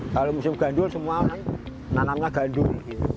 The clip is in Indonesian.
kalau musim gandul semua orang nanamnya gandul